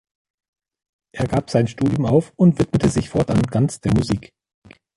Er gab sein Studium auf und widmete sich fortan ganz der Musik.